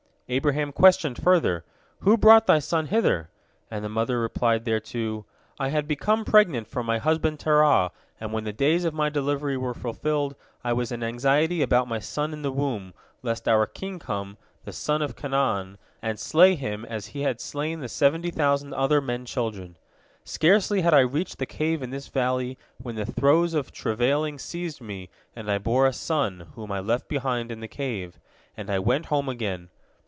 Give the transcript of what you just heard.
Abraham questioned further, "Who brought thy son hither?" and the mother replied thereto: "I had become pregnant from my husband Terah, and when the days of my delivery were fulfilled, I was in anxiety about my son in my womb, lest our king come, the son of Canaan, and slay him as he had slain the seventy thousand other men children. Scarcely had I reached the cave in this valley when the throes of travailing seized me, and I bore a son, whom I left behind in the cave, and I went home again.